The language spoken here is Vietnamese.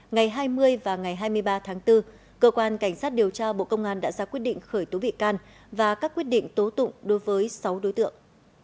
ngày hai mươi và ngày hai mươi ba tháng bốn cơ quan cảnh sát điều tra bộ công an đã ra quyết định khởi tố bị can và các quyết định tố tụng đối với sáu đối tượng